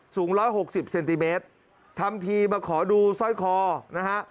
สูง๑๖๐เซนติเมตรทำทีมาขอดูสร้อยคอนะฮะ